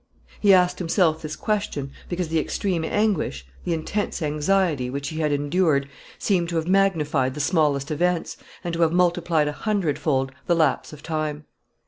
He asked himself this question, because the extreme anguish, the intense anxiety, which he had endured, seemed to have magnified the smallest events, and to have multiplied a hundred fold the lapse of time.